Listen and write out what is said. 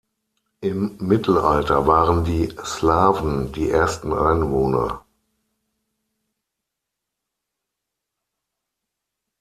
Im Mittelalter waren die Slawen die ersten Einwohner.